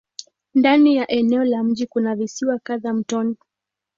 Ndani ya eneo la mji kuna visiwa kadhaa mtoni.